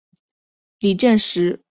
李振石是韩国导演。